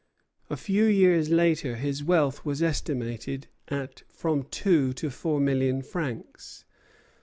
A few years later his wealth was estimated at from two to four million francs.